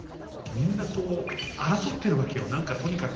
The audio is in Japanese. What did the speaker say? みんなこう争ってるわけよ何かとにかく。